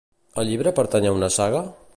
El llibre pertany a una saga?